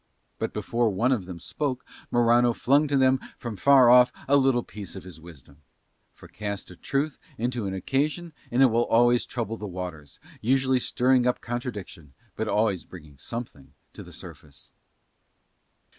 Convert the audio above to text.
But before one of them spoke Morano flung to them from far off a little piece of his wisdom: for cast a truth into an occasion and it will always trouble the waters, usually stirring up contradiction, but always bringing something to the surface.